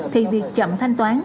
thì việc chậm thanh toán